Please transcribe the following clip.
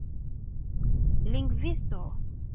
lingvisto